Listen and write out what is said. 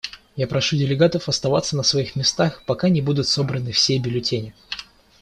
Я прошу делегатов оставаться на своих местах, пока не будут собраны все бюллетени.